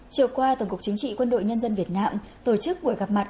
chiều qua tổng cục chính trị quân đội nhân dân việt nam tổ chức buổi gặp mặt